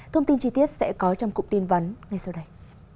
thông tin chi tiết sẽ có trong cụm tin vắn ngay sau đây